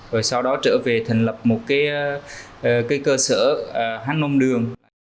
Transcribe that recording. rồi sau đó trở về thành lập một cái cơ sở hán nôn đường